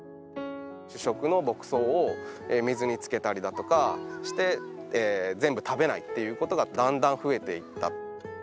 主食の牧草を水につけたりだとかして全部食べないっていうことがだんだん増えていった。